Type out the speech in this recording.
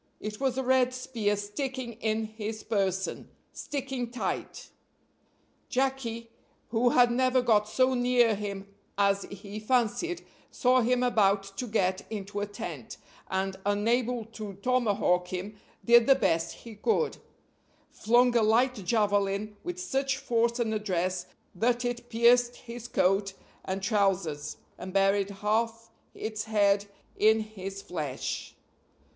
It was a red spear sticking in his person sticking tight. Jacky, who had never got so near him as he fancied, saw him about to get into a tent, and, unable to tomahawk him, did the best he could flung a light javelin with such force and address that it pierced his coat and trousers and buried half its head in his flesh.